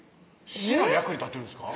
市の役に立ってるんですか？